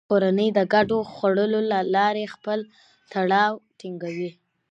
کورنۍ د ګډو خوړو له لارې خپل تړاو ټینګوي